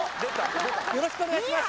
よろしくお願いします